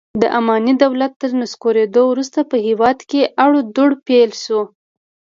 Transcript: د اماني دولت تر نسکورېدو وروسته په هېواد کې اړو دوړ پیل شو.